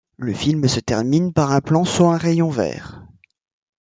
Le film se termine par un plan sur un rayon vert.